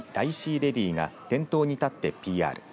レディが店頭に立ってＰＲ。